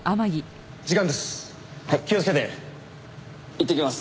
いってきます。